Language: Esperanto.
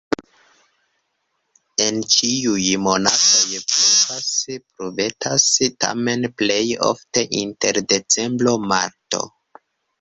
En ĉiuj monatoj pluvas-pluvetas, tamen plej ofte inter decembro-marto.